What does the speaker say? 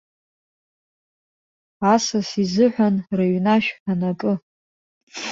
Асас изыҳәан рыҩнашә анакы.